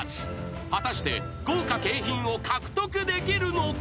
［果たして豪華景品を獲得できるのか？］